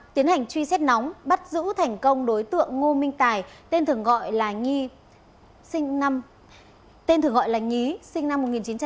tiến hành truy xét nóng bắt giữ thành công đối tượng ngô minh tài tên thường gọi là nhí sinh năm một nghìn chín trăm chín mươi